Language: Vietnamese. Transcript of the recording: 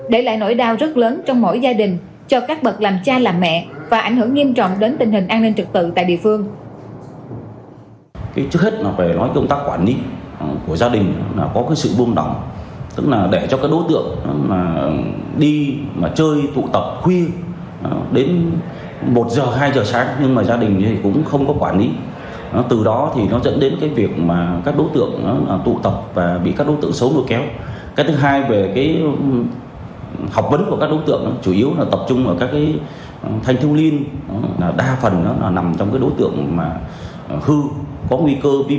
để lại nỗi đau rất lớn trong mỗi gia đình cho các bậc làm cha làm mẹ